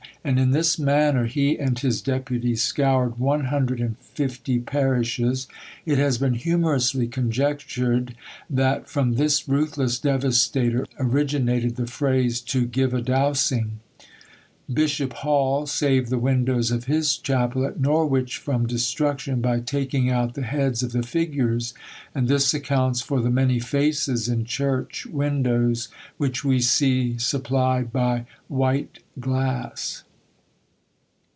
And in this manner he and his deputies scoured one hundred and fifty parishes! It has been humorously conjectured, that from this ruthless devastator originated the phrase to give a Dowsing. Bishop Hall saved the windows of his chapel at Norwich from destruction, by taking out the heads of the figures; and this accounts for the many faces in church windows which we see supplied by white glass.